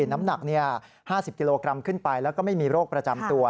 น้ำหนัก๕๐กิโลกรัมขึ้นไปแล้วก็ไม่มีโรคประจำตัว